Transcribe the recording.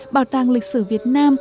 bảo tàng lịch sử việt nam